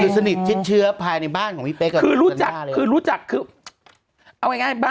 ดูสนิทจิ้นเชื้อภายในบ้านของพี่เป๊ะกับคือรู้จักคือก็